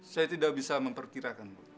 saya tidak bisa memperkirakan bu